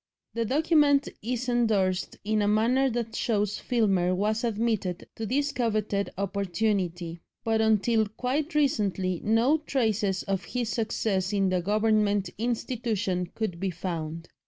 The document is endorsed in a manner that shows Filmer was admitted to this coveted opportunity; but until quite recently no traces of his success in the Government institution could be found.